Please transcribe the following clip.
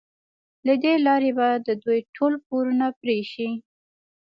له دې لارې به د دوی ټول پورونه پرې شي.